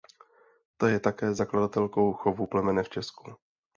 Ta je také zakladatelkou chovu plemene v Česku.